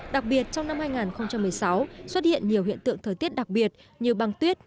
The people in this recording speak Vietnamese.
đặc biệt trong năm hai nghìn một mươi sáu xuất hiện nhiều hiện tượng thời tiết đặc biệt như băng tuyết